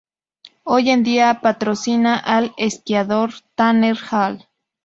Hoy en día, patrocina al esquiador Tanner Hall.